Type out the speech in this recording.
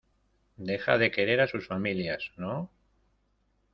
deja de querer a sus familias, ¿ no?